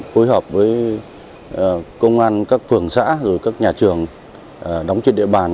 phối hợp với công an các phường xã các nhà trường đóng trên địa bàn